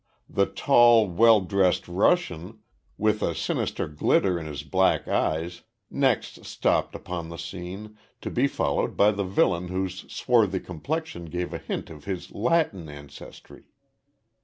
The tall, well dressed Russian, with a sinister glitter in his black eyes, next stepped upon the scene, to be followed by the villain whose swarthy complexion gave a hint of his Latin ancestry.